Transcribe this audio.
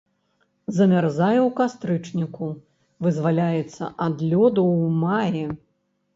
Замярзае ў кастрычніку, вызваляецца ад лёду ў маі.